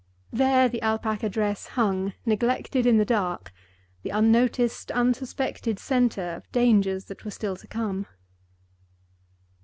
There the Alpaca dress hung, neglected in the dark—the unnoticed, unsuspected center of dangers that were still to come.